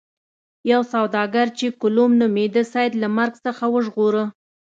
یو سوداګر چې کلوم نومیده سید له مرګ څخه وژغوره.